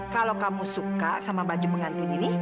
kalau kamu suka sama baju pengantin ini